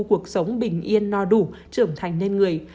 cuộc sống bình yên no đủ trưởng thành lên người